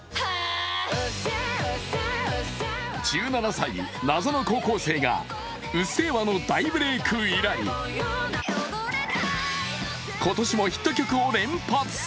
１７歳、謎の高校生が「うっせぇわ」の大ブレイク以来今年もヒット曲を連発。